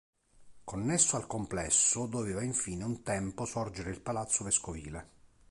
Connesso al complesso, doveva infine un tempo sorgere il Palazzo Vescovile.